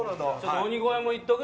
鬼越もいっとく？